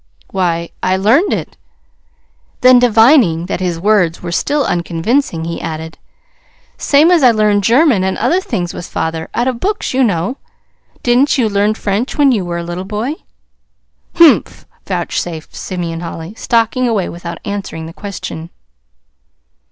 "Why, I learned it." Then, divining that his words were still unconvincing, he added: "Same as I learned German and other things with father, out of books, you know. Didn't you learn French when you were a little boy?" "Humph!" vouchsafed Simeon Holly, stalking away without answering the question.